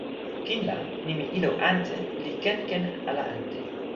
kin la, nimi ilo ante li ken ken ala ante.